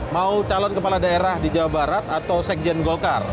mau calon kepala daerah di jawa barat atau sekjen golkar